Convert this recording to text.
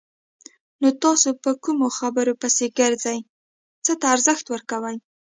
نو تاسو په کومو خبرو پسې ګرځئ! څه ته ارزښت ورکوئ؟